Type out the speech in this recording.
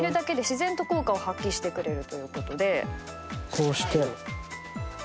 こうして。